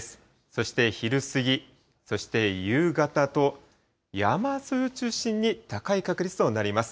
そして、昼過ぎ、そして夕方と、山沿いを中心に高い確率となります。